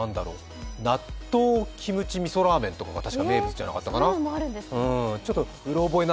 納豆キムチみそラーメンとかがたしか名物だったんじゃないかな。